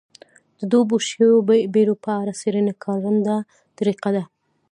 د ډوبو شویو بېړیو په اړه څېړنې کارنده طریقه ده.